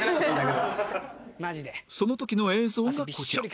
その時の映像がこちら